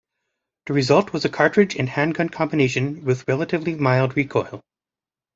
The result was a cartridge and handgun combination with relatively mild recoil.